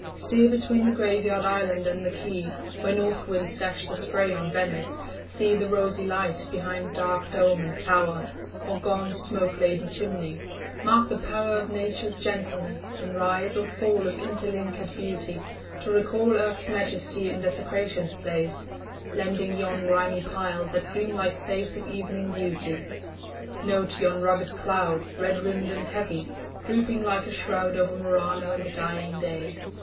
Steer Between the graveyard island and the quay, Where North winds dash the spray on Venice; see The rosy light behind dark dome and tower, Or gaunt smoke laden chimney; mark the power Of Nature's gentleness, in rise or fall Of interlinked beauty, to recall Earth's majesty in desecration's place, Lending yon grimy pile that dream like face Of evening beauty; note yon rugged cloud, Red rimmed and heavy, drooping like a shroud Over Murano in the dying day.